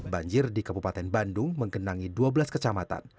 banjir di kabupaten bandung menggenangi dua belas kecamatan